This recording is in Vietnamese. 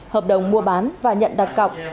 hợp đồng mua bán và nhận đặt cọc